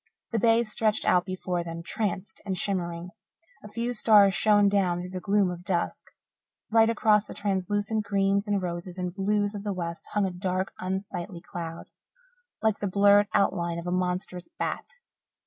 The bay stretched out before them, tranced and shimmering; a few stars shone down through the gloom of dusk. Right across the translucent greens and roses and blues of the west hung a dark, unsightly cloud, like the blurred outline of a monstrous bat.